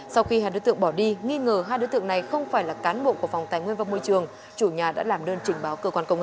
sau khi hai đối tượng bỏ đi nghi ngờ hai đối tượng này không phải là cán bộ của phòng tài nguyên và môi trường chủ nhà đã làm đơn trình báo cơ quan công an